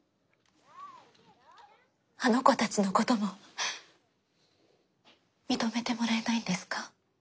あの子たちのことも認めてもらえないんですか？